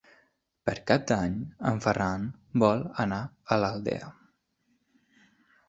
Per Cap d'Any en Ferran vol anar a l'Aldea.